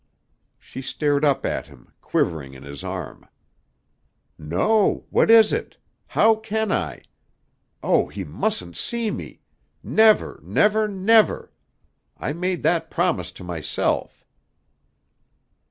She stared up at him, quivering in his arm. "No. What is it? How can I? Oh, he mustn't see me! Never, never, never! I made that promise to myself."